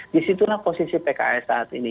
disitulah posisi pks saat ini